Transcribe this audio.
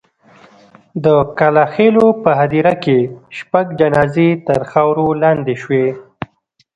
د کلا خېلو په هدیره کې شپږ جنازې تر خاورو لاندې شوې.